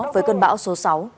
với cơn bão số sáu